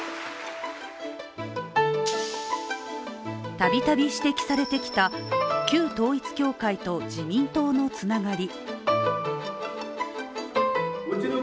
度々指摘されてきた旧統一教会と自民党のつながり。